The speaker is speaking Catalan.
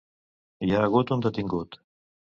Hi ha hagut un detingut.